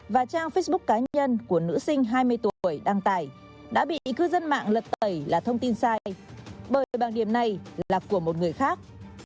và trang facebook cá nhân của nữ sinh hai mươi tuổi đăng tải đã bị cư dân mạng lật tẩy là thông tin sai bởi bảng điểm này là của một người khác